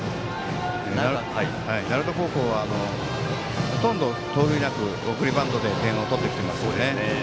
鳴門高校はほとんど盗塁はなく送りバントで点を取ってきていますね。